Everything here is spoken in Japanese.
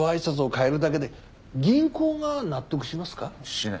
しない。